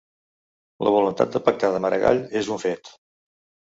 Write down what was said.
La voluntat de pactar de Maragall és un fet